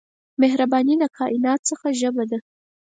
مهرباني د کائنات هغه ژبه ده.